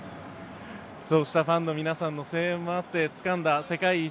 そうしたファンの皆さんの声援もあってつかんだ世界一。